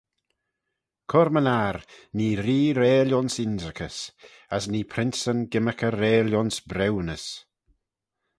Cur-my-ner, nee ree reill ayns ynrickys, as nee princeyn gymmyrkey reill ayns briwnys.